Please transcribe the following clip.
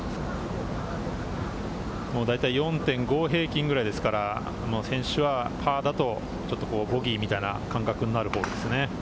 大体４．５平均ぐらいですから、選手はパーだと、ちょっとボギーみたいな感覚になるホールですね。